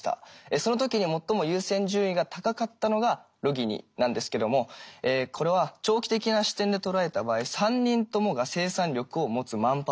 その時に最も優先順位が高かったのがロギニなんですけどもこれは長期的な視点で捉えた場合３人ともが生産力を持つマンパワー